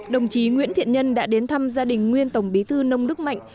đồng chí nguyễn thiện nhân đã đến thăm gia đình nguyên tổng bí thư nông đức mạnh